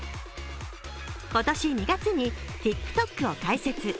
今年２月にＴｉｋＴｏｋを開設。